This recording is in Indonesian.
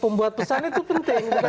pembuat pesannya itu penting